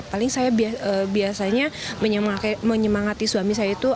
paling saya biasanya menyemangati suami saya itu